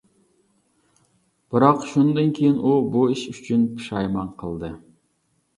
بىراق شۇندىن كىيىن ئۇ بۇ ئىش ئۈچۈن پۇشايمان قىلدى.